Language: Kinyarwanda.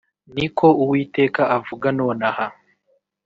ni ko Uwiteka avuga nonaha